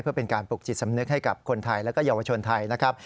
เพื่อเป็นการปลูกจิตสำนึกให้กับคนไทยและเยาวชนไทยนะครับ